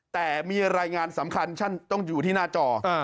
แต่มีรายงานสำคัญท่านต้องอยู่ที่หน้าจอ